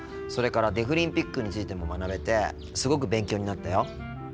それからデフリンピックについても学べてすごく勉強になったよ。